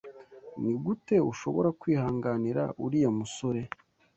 Nigute ushobora kwihanganira uriya musore?